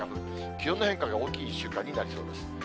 気温の変化が大きい１週間になりそうです。